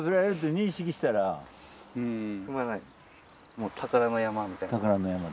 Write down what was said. もう宝の山みたいな。